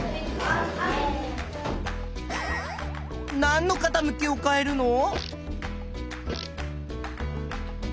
なんのかたむきを変えるの？